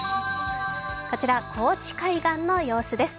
こちら高知海岸の様子です。